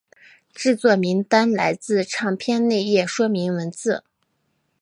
制作名单来自唱片内页说明文字。